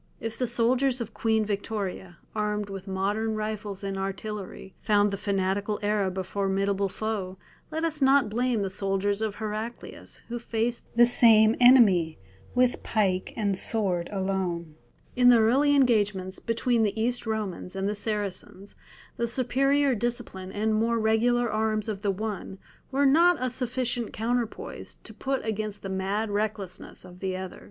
If the soldiers of Queen Victoria, armed with modern rifles and artillery, found the fanatical Arab a formidable foe, let us not blame the soldiers of Heraclius who faced the same enemy with pike and sword alone. In the early engagements between the East Romans and the Saracens the superior discipline and more regular arms of the one were not a sufficient counterpoise to put against the mad recklessness of the other.